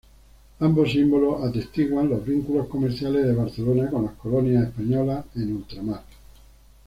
Ambos símbolos atestiguan los vínculos comerciales de Barcelona con las colonias españolas en ultramar.